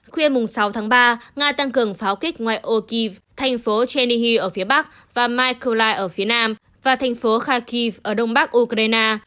khuya mùng sáu tháng ba nga tăng cường pháo kích ngoài orkiv thành phố chernihiv ở phía bắc và mykolaiv ở phía nam và thành phố kharkiv ở đông bắc ukraine